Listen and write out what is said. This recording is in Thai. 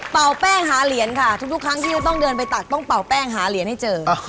แป้งหาเหรียญค่ะทุกครั้งที่ต้องเดินไปตักต้องเป่าแป้งหาเหรียญให้เจอ